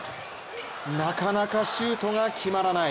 なかなかシュートが決まらない。